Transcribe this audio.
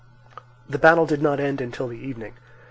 The battle did not end until the evening.